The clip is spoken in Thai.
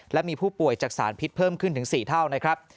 และมีผู้ป่วยจากสารพิษเพิ่มขึ้นถึง๔เท่านะครับ